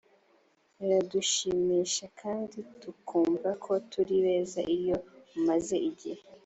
biradushimisha kandi tukumva ko turi beza iyo umaze igihe